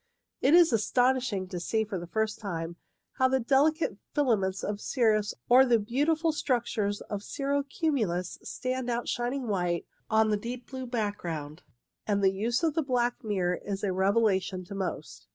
It is astonishing to see for the first time how the delicate filaments of cirrus or the beautiful structures of cirro cumulus stand out shining white on the deep blue background ; and the use of the black mirror is a revelation to most.